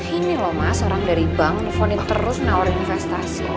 ini loh mas orang dari bank neffoni terus nawarin investasi